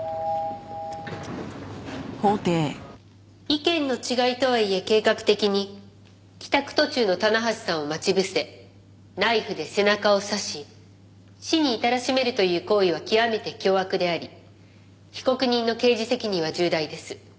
意見の違いとはいえ計画的に帰宅途中の棚橋さんを待ち伏せナイフで背中を刺し死に至らしめるという行為は極めて凶悪であり被告人の刑事責任は重大です。